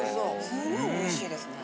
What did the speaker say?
すごいおいしいですね。